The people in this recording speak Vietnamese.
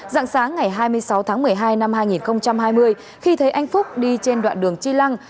dạng sáng ngày hai mươi sáu tháng một mươi hai năm hai nghìn hai mươi khi thấy anh phúc đi trên đoạn đường chi lăng